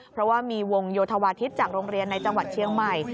เพราะว่ามีวงโยธวาทิศจากโรงเรียนในจังหวัดเชียงใหม่